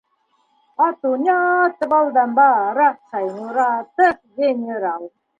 Ат уйнатып алдан бара Шайморатов генерал!